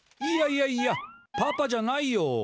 いやいやいやパパじゃないよ。